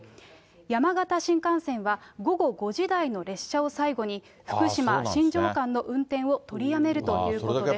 山形新幹線は、午後５時台の列車を最後に、福島・新庄間の運転を取りやめるということです。